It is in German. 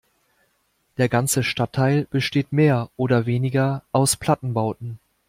Der ganze Stadtteil besteht mehr oder weniger aus Plattenbauten.